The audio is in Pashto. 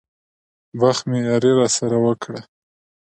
بخت مې ياري راسره وکړه.